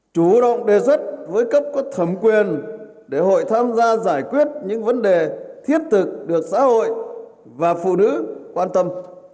chủ động đề xuất với cấp có thẩm quyền để hội tham gia giải quyết những vấn đề thiết thực được xã hội và phụ nữ quan tâm